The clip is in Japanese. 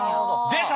出た！